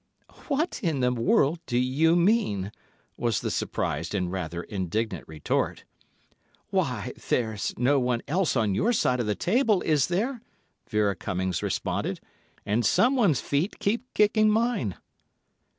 "What in the world do you mean?" was the surprised and rather indignant retort. "Why, there's no one else on your side of the table, is there?" Vera Cummings responded; "and someone's feet keep kicking mine."